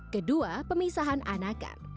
kedua pemisahan anakan